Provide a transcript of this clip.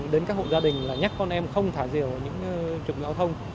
đến các hộ gia đình nhắc con em không thả diều vào những trục giao thông